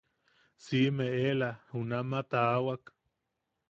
Siʼimeʼela junama taawak.